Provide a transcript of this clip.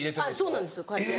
そうなんですこうやって。